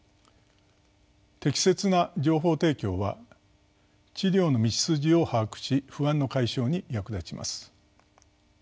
適切な情報提供は治療の道筋を把握し不安の解消に役立ちます。